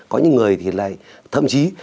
có những người thì là thậm chí